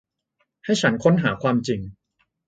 ให้ฉันค้นหาความจริง